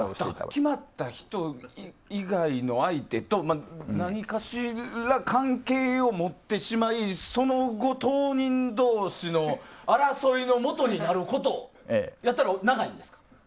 決まった人以外の相手と何かしら関係を持ってしまいその後、当人同士の争いのもとになることだったら長いんですか？